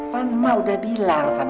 panma udah bilang sama susulam